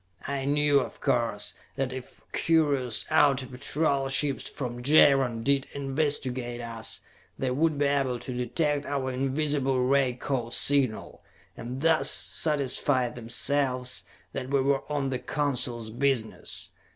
I knew, of course, that if curious outer patrol ships from Jaron did investigate us, they would be able to detect our invisible ray code signal, and thus satisfy themselves that we were on the Council's business.